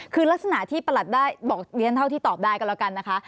คือลักษณะที่ประหลัดได้บอกเรียนเท่าที่ตอบได้ก็แล้วกันนะคะ